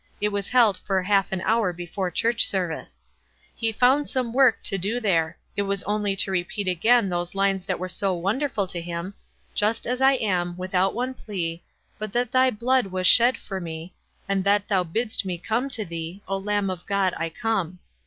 It was held for half an hour be fore church service. He found some work to do there — it was only to repeat again those lines that were so wonderful to him :—" Just as I am, without one plea, But that thy blood was shed for me, And that thou birtst me come to thee, O Lamb of God, I come."